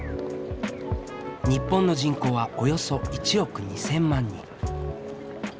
日本の人口はおよそ１億２，０００万人。